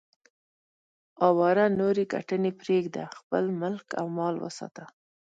اواره نورې ګټنې پرېږده، خپل ملک او مال وساته.